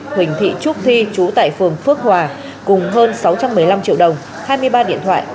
huỳnh thị trúc thi chú tại phường phước hòa cùng hơn sáu trăm một mươi năm triệu đồng hai mươi ba điện thoại